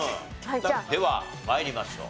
では参りましょう。